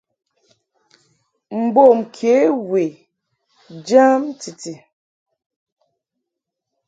Mbom kě we jam titi.